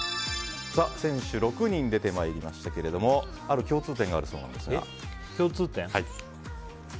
選手６人出てまいりましたけどもある共通点があるそうです。